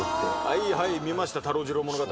はいはい見ましたタロジロ物語。